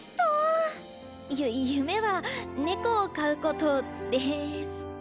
ゆ夢は猫を飼うことです。